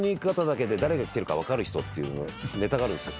ていうネタがあるんですよ。